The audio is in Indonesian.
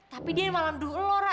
tapi dia malam dulu